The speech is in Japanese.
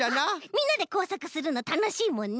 みんなでこうさくするのたのしいもんね！